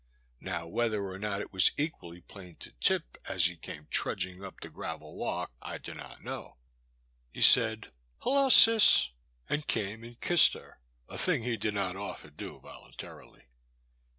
Now whether or not it was equally plain to Tip as he came trudging up the gravel walk, I do not know. He said, '' Hello, Cis,'' and came and kissed her — a thing he did not often do voluntarily.